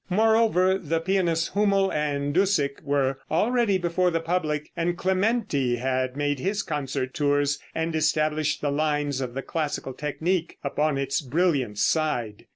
Moreover, the pianists Hummel and Dussek were already before the public, and Clementi had made his concert tours, and established the lines of the classical technique upon its brilliant side.